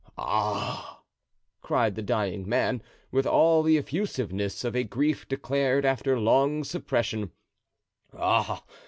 "Ah!" cried the dying man, with all the effusiveness of a grief declared after long suppression, "ah!